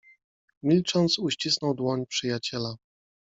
Milcząc, uścisnął dłoń przyjaciela.